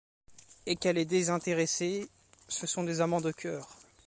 Et qu'elle est désintéressée, ce sont des amants de cœur.